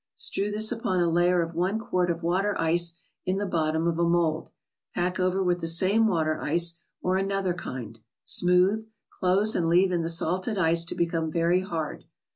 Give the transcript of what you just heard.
Strew this upon a layer of one quart of water ice in the bottom of a mold ; pack over with the same water ice, or another kind ; smooth; close and leave in the salted ice to become very hard.